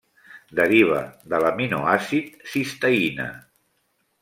Deriva de l'aminoàcid cisteïna.